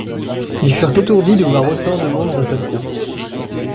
Ils furent étourdis de voir autant de monde d’un seul coup.